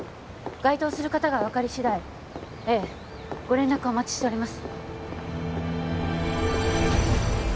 該当する方が分かり次第ええご連絡お待ちしております